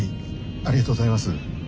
ありがとうございます。